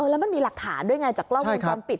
แล้วมันมีหลักฐานด้วยไงจากกล้องวงจรปิด